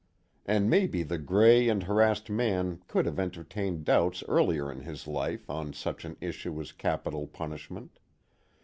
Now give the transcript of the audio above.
And maybe the gray and harassed man could have entertained doubts earlier in his life on such an issue as capital punishment.